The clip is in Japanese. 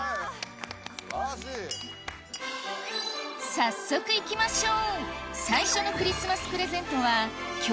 早速いきましょう！